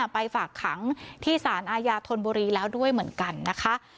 ไปฝากขังที่สารอาญาธนบุรีแล้วด้วยเหมือนกันนะคะ